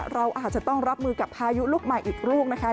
เราอาจจะต้องรับมือกับพายุลูกใหม่อีกลูกนะคะ